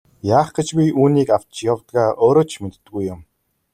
Яах гэж би үүнийг авч явдгаа өөрөө ч мэддэггүй юм.